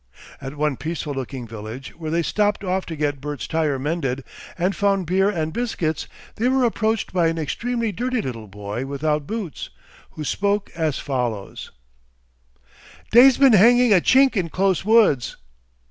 At one peaceful looking village where they stopped off to get Bert's tyre mended and found beer and biscuits, they were approached by an extremely dirty little boy without boots, who spoke as follows: "Deyse been hanging a Chink in dose woods!"